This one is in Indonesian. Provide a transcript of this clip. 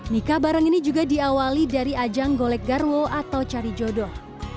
nikah bareng ini juga diawali dari ajang golek garwo atau cari jodoh